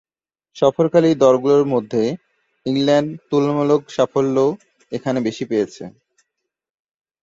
সফরকারী দলগুলোর মধ্যে ইংল্যান্ড তুলনামূলক সাফল্য এখানে বেশি পেয়েছে।